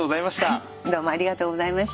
はいどうもありがとうございました。